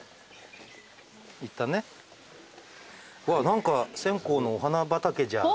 何か線香のお花畑じゃん。